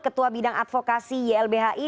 ketua bidang advokasi ylbhi